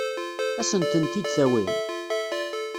Ad asent-tent-id-tawim?